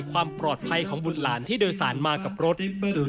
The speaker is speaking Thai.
ความปลอดภัยของบุตรหลานที่โดยสารมากับรถหรือ